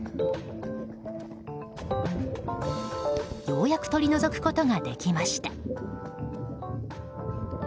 ようやく取り除くことができました。